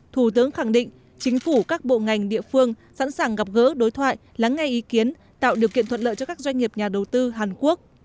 thủ tướng khẳng định chính phủ các bộ ngành địa phương sẵn sàng gặp gỡ đối thoại lắng nghe ý kiến tạo điều kiện thuận lợi cho các doanh nghiệp nhà đầu tư hàn quốc